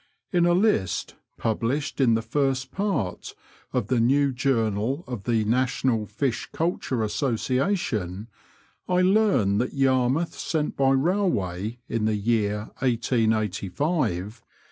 In a list published in the first part of the new Journal of the National Fish Culture Association, I learn that Yarmouth sent by railway, in the year 1886, 29,658 tons of fish.